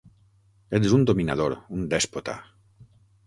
Ets un dominador, un dèspota!